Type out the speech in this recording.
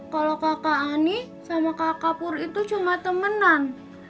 kalau kakak ani sama kakak pur itu cuma temenan